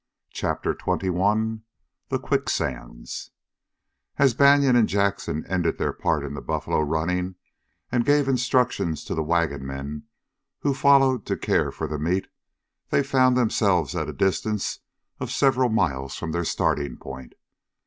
CHAPTER XXI THE QUICKSANDS As Banion and Jackson ended their part in the buffalo running and gave instructions to the wagon men who followed to care for the meat, they found themselves at a distance of several miles from their starting point.